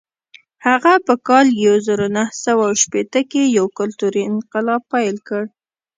هغه په کال یو زر نهه سوه شپېته کې یو کلتوري انقلاب پیل کړ.